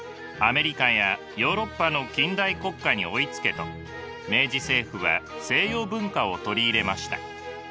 アメリカやヨーロッパの近代国家に追いつけと明治政府は西洋文化を取り入れました。